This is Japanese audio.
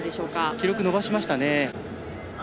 記録を伸ばしましたね。